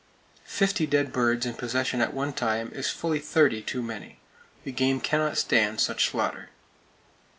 Fifty dead birds in possession at one time is fully thirty too many. The game cannot stand such slaughter!